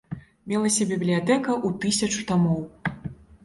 Мелася бібліятэка ў тысячу тамоў.